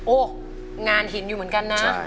งานหินอยู่เหมือนกันนะ